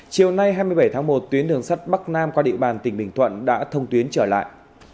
chiều nay hai mươi bảy tháng một tuyến đường sắt bắc nam qua địa bàn tỉnh bình thuận đã thông tuyến trở lại